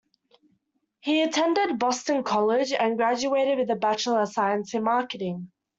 He attended Boston College and graduated with a Bachelor of Science in marketing.